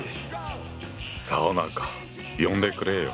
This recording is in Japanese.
サウナか呼んでくれよ！